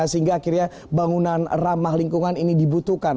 sehingga akhirnya bangunan ramah lingkungan ini dibutuhkan